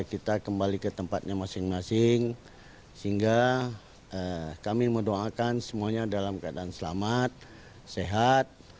kita kembali ke tempatnya masing masing sehingga kami mendoakan semuanya dalam keadaan selamat sehat